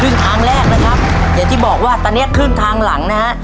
ทางแรกนะครับอย่างที่บอกว่าตอนนี้ครึ่งทางหลังนะฮะ